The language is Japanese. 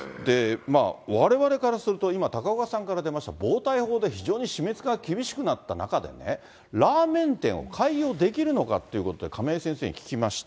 われわれからすると、今、高岡さんからありました、暴対法で非常に締めつけが厳しくなった中で、ラーメン店を開業できるのかっていうことで、亀井先生に聞きました。